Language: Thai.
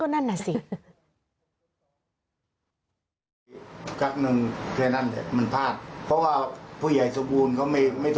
น่าสิ